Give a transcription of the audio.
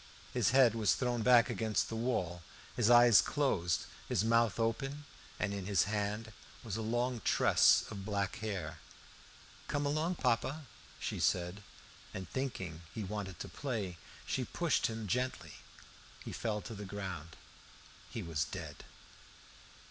His head was thrown back against the wall, his eyes closed, his mouth open, and in his hand was a long tress of black hair. "Come along, papa," she said. And thinking he wanted to play; she pushed him gently. He fell to the ground. He was dead.